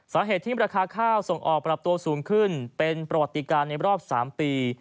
สาเหตุที่ราคาข้าวส่งออกปรับตัวสูงขึ้นเป็นประวัติการในรอบ๓ปี